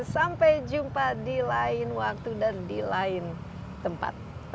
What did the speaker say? sampai jumpa di lain waktu dan di lain tempat